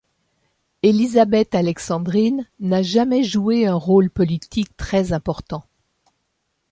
Élisabeth-Alexandrine n'a jamais joué un rôle politique très important.